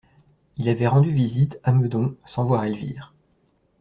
Il avait rendu visite, à Meudon, sans voir Elvire.